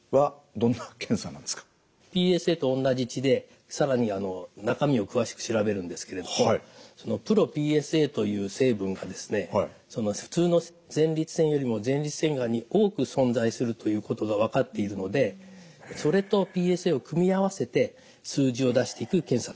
ＰＳＡと同じ血で更に中身を詳しく調べるんですけれどもｐｒｏＰＳＡという成分がですね普通の前立腺よりも前立腺がんに多く存在するということが分かっているのでそれとＰＳＡを組み合わせて数字を出していく検査です。